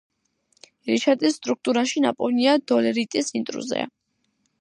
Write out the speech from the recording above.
რიშატის სტრუქტურაში ნაპოვნია დოლერიტის ინტრუზია.